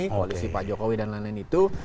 koalisi pak jokowi dan lain lain itu